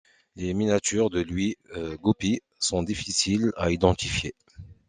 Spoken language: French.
Les miniatures de Louis Goupy sont difficiles à identifier.